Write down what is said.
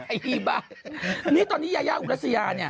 ไอ้อีบ้านี่ตอนนี้ยายาอุรัสยาเนี่ย